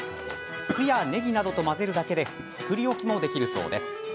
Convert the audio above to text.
酢や、ねぎなどと混ぜるだけで作り置きもできるそうです。